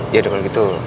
ya daripada itu